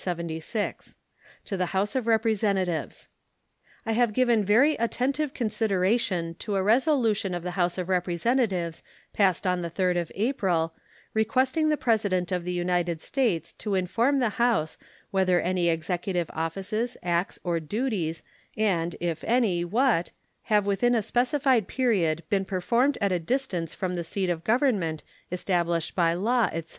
To the House of Representatives: I have given very attentive consideration to a resolution of the House of Representatives passed on the 3d of April, requesting the President of the United States to inform the House whether any executive offices acts, or duties, and, if any, what, have within a specified period been performed at a distance from the seat of Government established by law, etc.